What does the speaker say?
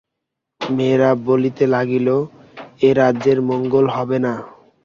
মেয়েরা বলিতে লাগিল, এ রাজ্যের মঙ্গল হবে না।